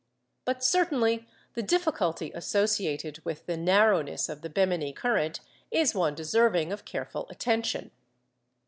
But certainly the difficulty associated with the narrowness of the Bemini current is one deserving of careful attention.